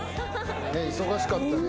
忙しかったね。